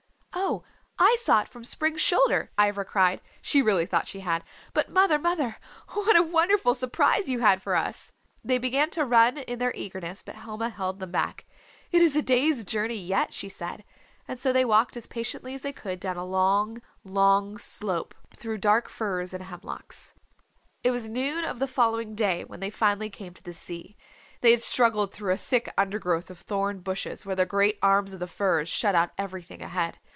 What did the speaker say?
"Oh, I saw it from Spring's shoulder," Ivra cried she really thought she had "But mother, mother, what a wonderful surprise you had for us!" They began to run in their eagerness. But Helma held them back. "It's a day's journey yet," she said. And so they walked as patiently as they could down a long, long slope through dark firs and hemlocks. It was noon of the following day when they finally came to the sea. They had struggled through a thick undergrowth of thorned bushes where the great arms of the firs shut out everything ahead.